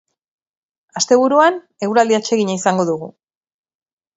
Asteburuan, eguraldi atsegina izango dugu.